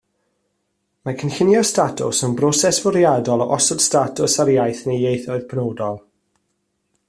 Mae cynllunio statws yn broses fwriadol o osod statws ar iaith neu ieithoedd penodol.